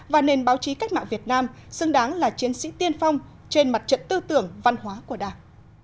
và nền báo chí cách mạng việt nam xứng đáng là chiến sĩ tiên phong trên mặt trận tư tưởng văn hóa của đảng